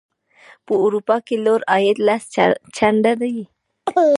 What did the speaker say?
په اروپا کې لوړ عاید لس چنده دی.